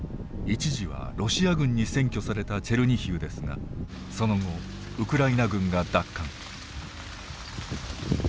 一時はロシア軍に占拠されたチェルニヒウですがその後ウクライナ軍が奪還。